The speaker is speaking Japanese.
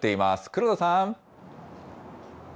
黒田さん。